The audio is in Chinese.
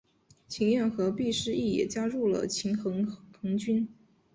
秦彦和毕师铎也加入了秦宗衡军。